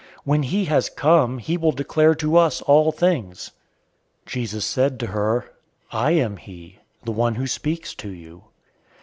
"When he has come, he will declare to us all things." 004:026 Jesus said to her, "I am he, the one who speaks to you."